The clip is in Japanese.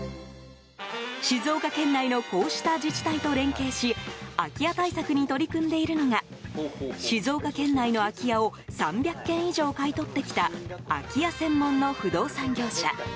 静岡県内のこうした自治体と連携し空き家対策に取り組んでいるのが静岡県内の空き家を３００軒以上買い取ってきた空き家専門の不動産業者